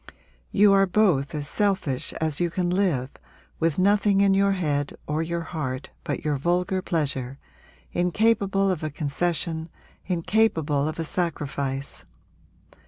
You are both as selfish as you can live, with nothing in your head or your heart but your vulgar pleasure, incapable of a concession, incapable of a sacrifice!'